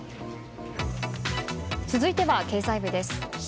続いては経済部です。